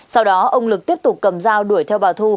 sau đó ông lực tiếp tục cầm dao đuổi theo bà thu